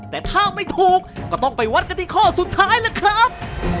แต่ถ้าไม่ถูกก็ต้องไปวัดกันที่ข้อสุดท้ายล่ะครับ